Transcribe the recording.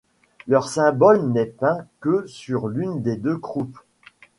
Leur symbole n'est peint que sur l'une des deux croupes.